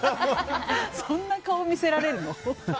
そんな顔見せられるの？